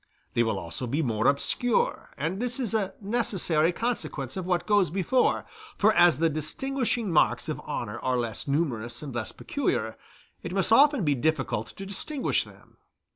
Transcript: They will also be more obscure; and this is a necessary consequence of what goes before; for as the distinguishing marks of honor are less numerous and less peculiar, it must often be difficult to distinguish them.